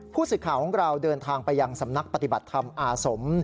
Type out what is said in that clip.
ผู้สื่อข่าวของเราเดินทางไปยังสำนักปฏิบัติธรรมอาสม